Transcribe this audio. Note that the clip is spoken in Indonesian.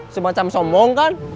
semacam sombong kan